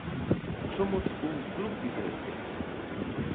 Somos un club diferente.